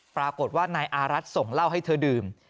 ปรากฏว่านายอารัฐส่งเหล้าให้เธอดื่ม